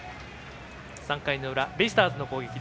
３回の裏、ベイスターズの攻撃。